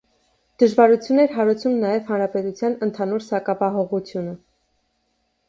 Դժվարություն էր հարուցում նաև հանրապետության ընդհանուր սակավահողությունը։